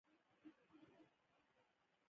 د دې امپراتورۍ له زوال وروسته ګډوډي شوه.